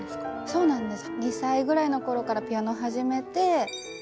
そうなんです。